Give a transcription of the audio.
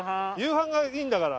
飯がいいんだから。